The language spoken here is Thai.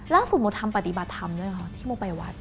ล่าสุดโมทำปฏิบัติทำด้วยหรอที่โมไปวัด